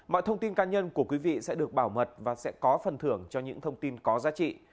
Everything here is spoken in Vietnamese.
mọi thông tin cá nhân của quý vị sẽ được bảo mật và sẽ có phần thưởng cho những thông tin có giá trị